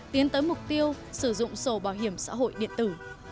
tiến tới mục tiêu sử dụng sổ bảo hiểm xã hội điện tử